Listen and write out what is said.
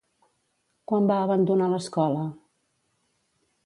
Quan va abandonar l'Escola?